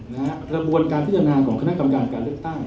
กระบวนการพิจารณาของคณะกรรมการการเลือกตั้ง